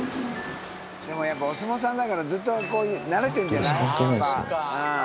でもやっぱお相撲さんだからずっとなれてんじゃない？